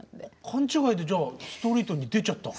勘違いでじゃあストリートに出ちゃった。